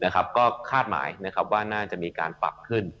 ก็คาดหมายว่าน่าจะมีการปรับขึ้น